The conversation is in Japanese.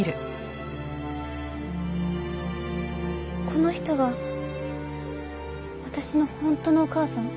この人が私の本当のお母さん？